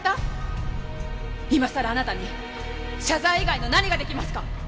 今さらあなたに謝罪以外の何が出来ますか！